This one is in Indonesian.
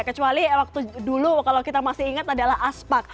kecuali waktu dulu kalau kita masih ingat adalah aspak